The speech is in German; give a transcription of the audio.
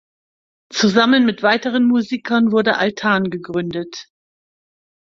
Zusammen mit weiteren Musikern wurde Altan gegründet.